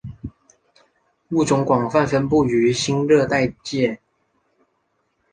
物种广泛分布于新热带界。